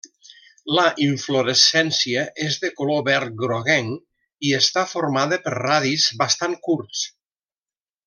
La inflorescència és de color verd groguenc i està formada per radis bastant curts.